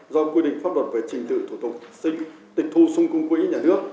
do quy định pháp luật về trình tự thủ tục sinh tịch thu sung cung quỹ nhà nước